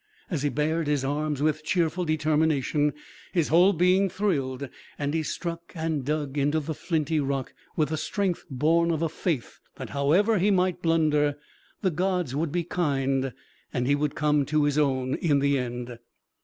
As he bared his arms with cheerful determination his whole being thrilled and he struck and dug into the flinty rock with a strength born of a faith, that however he might blunder, the gods would be kind and he would come to his own in the end.